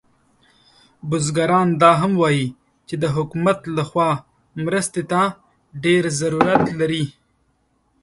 بزګران دا هم وایي چې د حکومت له خوا مرستې ته ډیر ضرورت لري